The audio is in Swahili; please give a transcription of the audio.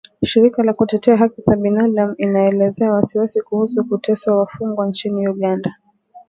Shirika la kutetea haki za binadamu inaelezea wasiwasi kuhusu kuteswa wafungwa nchini Uganda